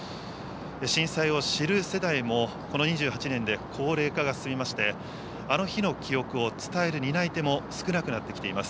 震災を知る世代も、この２８年で高齢化が進みまして、あの日の記憶を伝える担い手も少なくなってきています。